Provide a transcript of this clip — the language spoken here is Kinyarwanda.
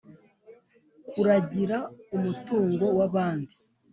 kuragira umutungo w’abandi,